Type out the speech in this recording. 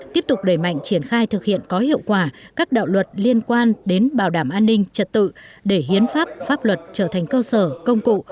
tiếp tục đẩy mạnh triển khai thực hiện có hiệu quả các đạo luật liên quan đến bảo đảm an ninh trật tự để hiến pháp pháp luật trở thành cơ sở công cụ